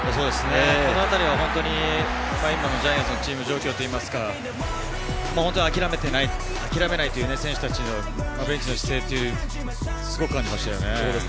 そのあたりは今のジャイアンツのチーム状況というか、諦めていない選手たちのベンチの姿勢、すごく感じましたね。